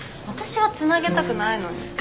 私は繋げたくないのに。